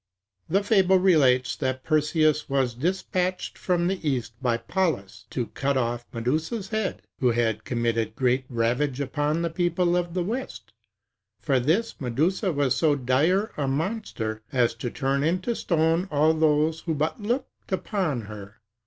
"The fable relates, that Perseus was dispatched from the east, by Pallas, to cut off Medusa's head, who had committed great ravage upon the people of the west; for this Medusa was so dire a monster, as to turn into stone all those who but looked upon her.